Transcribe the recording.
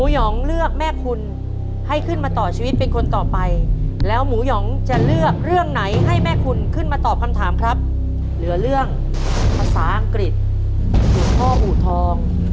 ทำไมเราเลือกเรื่องนี้ให้กับแม่คุณ